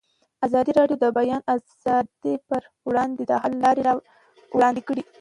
ازادي راډیو د د بیان آزادي پر وړاندې د حل لارې وړاندې کړي.